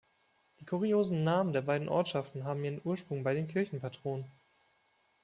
Die kuriosen Namen der beiden Ortschaften haben ihren Ursprung bei den Kirchenpatronen.